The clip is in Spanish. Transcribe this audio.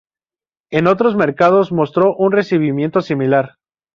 En otros mercados mostró un recibimiento similar.